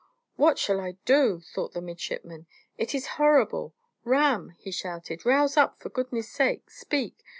"What shall I do?" thought the midshipman. "It is horrible. Ram!" he shouted. "Rouse up! For goodness' sake, speak!